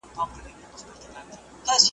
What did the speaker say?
نه قیامت سته نه د مرګ توري پلټني .